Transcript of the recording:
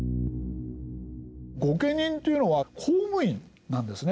御家人というのは公務員なんですね。